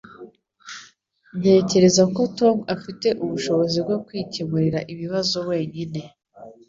Ntekereza ko Tom afite ubushobozi bwo kwikemurira ibibazo wenyine